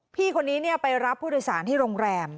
พี่คนนี้ไปรับผู้โดยสารที่โรงแรม